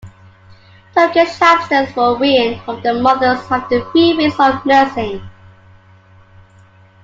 Turkish hamsters are weaned from their mothers after three weeks of nursing.